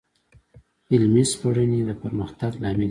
علمي سپړنې د پرمختګ لامل کېږي.